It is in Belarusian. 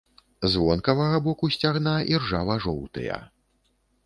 З вонкавага боку сцягна іржава-жоўтыя.